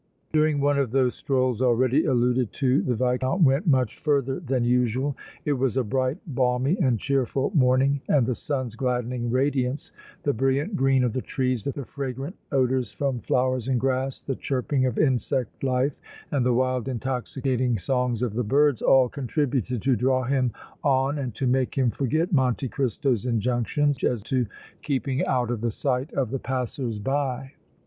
During one of those strolls already alluded to the Viscount went much further than usual. It was a bright, balmy and cheerful morning, and the sun's gladdening radiance, the brilliant green of the trees, the fragrant odors from flowers and grass, the chirping of insect life and the wild, intoxicating songs of the birds all contributed to draw him on and to make him forget Monte Cristo's injunctions as to keeping out of the sight of the passers by.